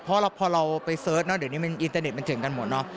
เพราะพอเราไปเสิร์ชเดี๋ยวนี้อินเทอร์เน็ตเจียงกันหมด